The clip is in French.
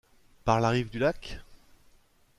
Par la rive du lac ?